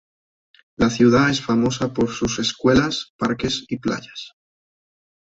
La ciudad es famosa por sus escuelas, parques y playas.